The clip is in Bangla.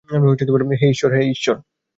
হে, ঈশ্বর!